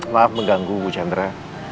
maaf mengganggu bu chandra